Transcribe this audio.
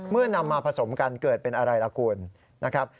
นำมาผสมกันเกิดเป็นอะไรล่ะคุณนะครับ